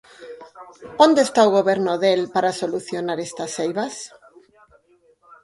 ¿Onde está o Goberno del para solucionar estas eivas?